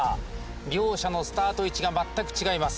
両者のスタート位置が全く違います。